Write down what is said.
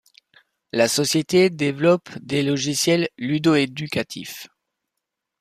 La société développe des logiciels ludo-éducatifs.